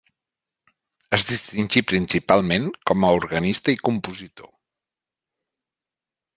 Es distingí principalment com a organista i compositor.